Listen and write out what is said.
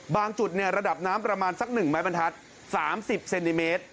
จุดระดับน้ำประมาณสัก๑ไม้บรรทัศน์๓๐เซนติเมตร